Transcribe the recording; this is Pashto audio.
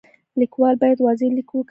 لیکوال باید واضح لیک وکړي.